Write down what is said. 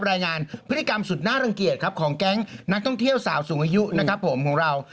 รายงานพฤติกรรมสุดน่ารังเกียจครับของแก๊งนักท่องเที่ยวสาวสูงอายุนะครับผมของเรา